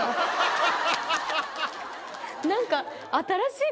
何か。